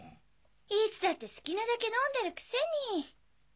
いつだって好きなだけ飲んでるくせに。